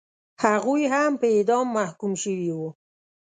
هغوی هم په اعدام محکوم شوي وو.